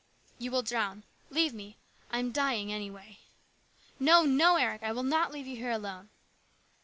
" You will drown. Leave me. I am dying, anyway." " No, no, Eric ! I will not leave you here alone